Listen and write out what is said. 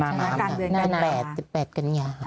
น้ำ๑๘กันยา